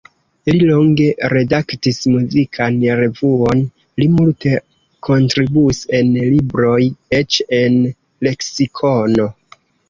Li longe redaktis muzikan revuon, li multe kontribuis en libroj, eĉ en leksikono.